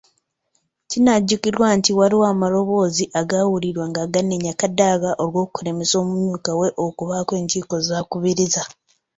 Kinajjukirwa nti waliwo amaloboozi agaawulirwa nga ganenya Kadaga olw'okulemesa omumyuka we okubaako enkiiko z'akubiriza.